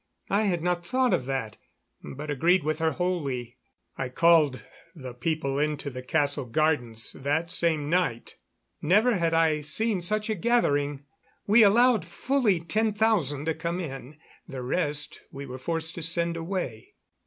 I had not thought of that, but agreed with her wholly. I called the people into the castle gardens that same night. Never had I seen such a gathering. We allowed fully ten thousand to come in; the rest we were forced to send away.